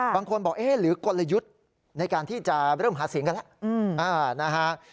บางคนบอกเอ๊ะหรือกลยุทธ์ในการที่จะเริ่มหาเสียงกันแล้วนะฮะ